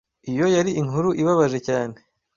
Iyo yari inkuru ibabaje cyane.